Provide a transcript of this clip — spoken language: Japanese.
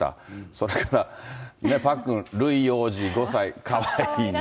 それからパックン、ルイ王子５歳、かわいいね。